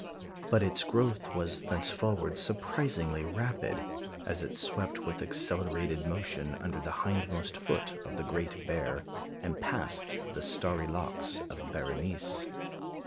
But its growth was thenceforward surprisingly rapid, as it swept with accelerated motion under the hindmost foot of the Great Bear, and past the starry locks of Berenice.